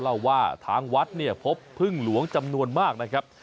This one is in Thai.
เล่าว่าทางวัดเนี่ยพบพึ่งหลวงจำนวนมากนะครับ